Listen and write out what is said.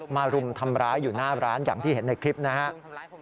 รุมทำร้ายอยู่หน้าร้านอย่างที่เห็นในคลิปนะครับ